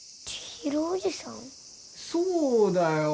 そうだよ。